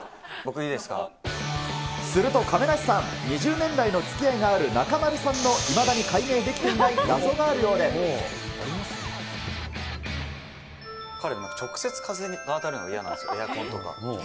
すると亀梨さん、２０年来のつきあいがある中丸さんのいまだに解明できていない謎彼、直接風に当たるのが嫌なんですよ、エアコンとか。